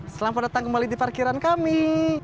selamat datang kembali di parkiran kami